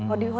oh di rumah